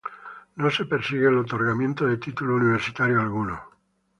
No se persigue el otorgamiento de título universitario alguno.